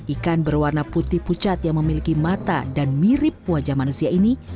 ikan berwarna putih pucat yang memiliki mata dan mirip wajah manusia ini